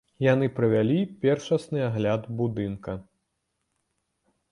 Яны правялі першасны агляд будынка.